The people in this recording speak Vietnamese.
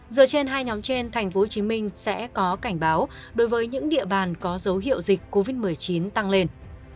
dựa trên hai nhóm trên tp hcm sẽ có cảnh báo đối với những địa bàn có dấu hiệu dịch covid một mươi chín tăng lên